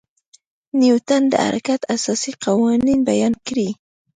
نیوټن د حرکت اساسي قوانین بیان کړي.